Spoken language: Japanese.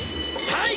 はい。